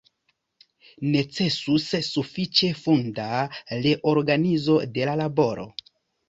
Necesus sufiĉe funda reorganizo de la laboro.